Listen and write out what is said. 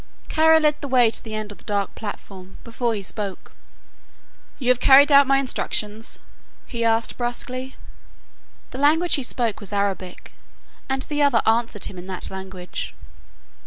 Kara led the way to the end of the dark platform, before he spoke. "You have carried out my instructions?" he asked brusquely. The language he spoke was Arabic, and the other answered him in that language.